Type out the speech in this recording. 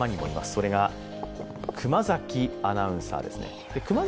それが熊崎アナウンサーです。